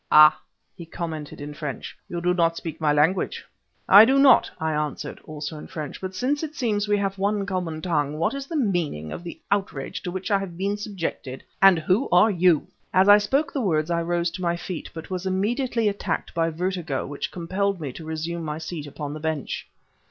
"Ah," he commented in French, "you do not speak my language." "I do not," I answered, also in French, "but since it seems we have one common tongue, what is the meaning of the outrage to which I have been subjected, and who are you?" As I spoke the words I rose to my feet, but was immediately attacked by vertigo, which compelled me to resume my seat upon the bench.